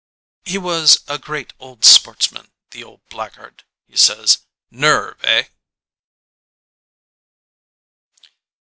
"He was a great old sportsman, the old black guard," he says. "Nerve, eh?"